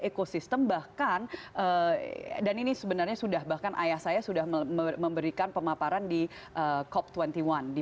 ekosistem bahkan dan ini sebenarnya sudah bahkan ayah saya sudah memberikan pemaparan di cop dua puluh satu di